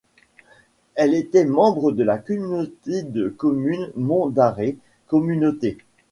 Elle était membre de la communauté de communes Monts d'Arrée Communauté.